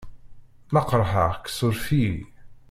Ma qerḥeɣ-k surf-iyi.